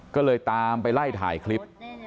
ก็เลยตามไปไล่ถ่ายคลิป